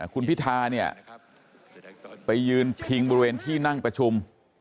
คุณพิธาเนี่ยไปยืนพิงบริเวณที่นั่งประชุม